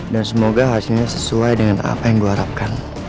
dan semoga hasilnya sesuai dengan apa yang gue harapkan